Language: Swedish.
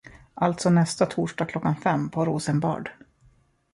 Alltså nästa torsdag klockan fem på Rosenbad.